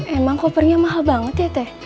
emang kopernya mahal banget ya teh